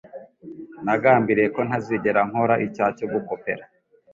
Nagambiriye ko ntazigera nkora icyaha cyo gukopera,